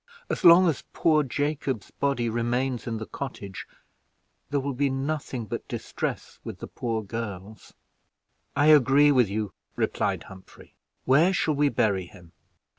As long as poor Jacob's body remains in the cottage there will be nothing but distress with the poor girls." "I agree with you," replied Humphrey; "where shall we bury him?"